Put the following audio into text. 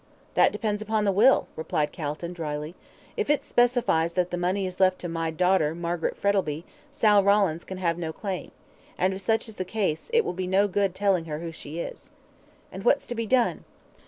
"That depends upon the will," replied Calton, dryly. "If it specifies that the money is left to 'my daughter, Margaret Frettlby,' Sal Rawlins can have no claim; and if such is the case, it will be no good telling her who she is." "And what's to be done?"